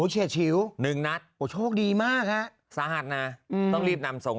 เฉียดชิวหนึ่งนัดโอ้โชคดีมากฮะสาหัสนะต้องรีบนำส่ง